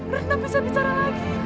ren kamu bisa bicara lagi